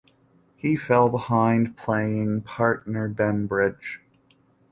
He fell behind playing partner Bembridge.